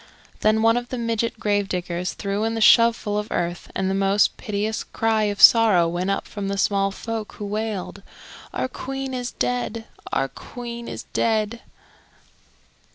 Then one of the midget grave diggers threw in a shovelful of earth and the most piteous cry of sorrow went up from the small folk, who wailed, "Our Queen is dead! Our Queen is dead!"